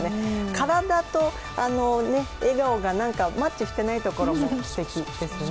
体と笑顔がマッチしていないところもすてきですよね。